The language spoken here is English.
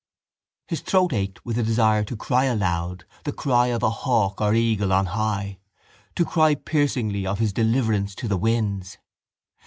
His throat ached with a desire to cry aloud, the cry of a hawk or eagle on high, to cry piercingly of his deliverance to the winds.